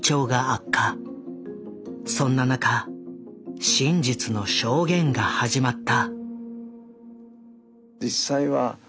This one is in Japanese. そんな中真実の証言が始まった。